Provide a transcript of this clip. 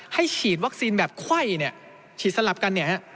ให้ฉีดวัคซีนแบบไข้ฉีดสลับกัน